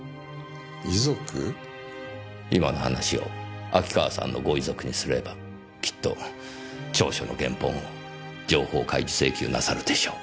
今の話を秋川さんのご遺族にすればきっと調書の原本を情報開示請求なさるでしょう。